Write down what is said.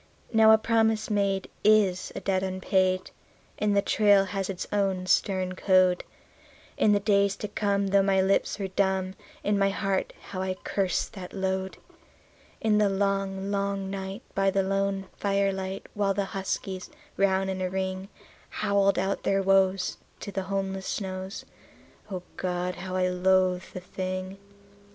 Now a promise made is a debt unpaid, and the trail has its own stern code. In the days to come, though my lips were dumb, in my heart how I cursed that load. In the long, long night, by the lone firelight, while the huskies, round in a ring, Howled out their woes to the homeless snows O God! how I loathed the thing.